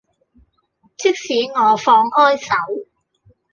即使我放開手